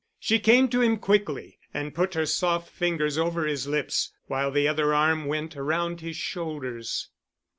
She came to him quickly, and put her soft fingers over his lips, while the other arm went around his shoulders.